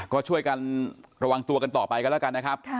ก็ช่วยกันระวังตัวกันต่อไปกันแล้วกันนะครับ